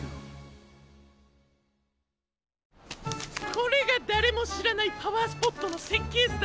これがだれもしらないパワースポットのせっけいずだ